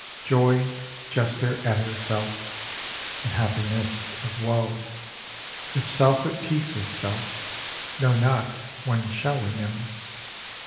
Joy, jester at herself, And happiness, of woe, If self at peace with self Know not, when shall he know?